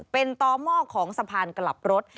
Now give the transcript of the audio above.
เป็นต่อหม้อของสะพานกลับรถ